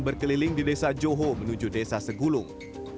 berkeliling di desa joho menuju desa segulung